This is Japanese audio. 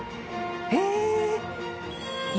へえ！